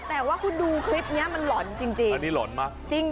แต่ว่าคุณดูคลิปนี้มันหล่อนจริง